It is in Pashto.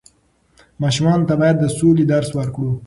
ماشومانو ته بايد د سولې درس ورکړو.